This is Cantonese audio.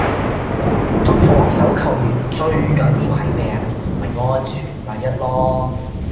做防守球員最緊要係咩呀?咪安全第一囉